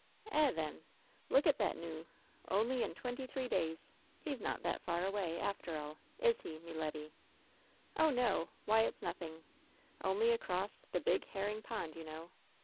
"Eh, then ! look at thet, noo I Only in twenty three days! He's not thet far away, after all, is he, me leddy?" "Oh, no Why, it's nothing 1 Only across 'the big herring pond,' you know."